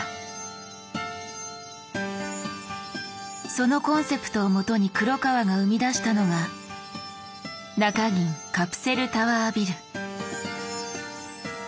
そのコンセプトをもとに黒川が生み出したのが中銀カプセルタワービル。